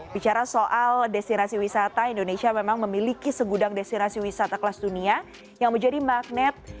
bicara soal destinasi wisata indonesia memang memiliki segudang destinasi wisata kelas dunia yang menjadi magnet